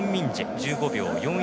１５秒４１。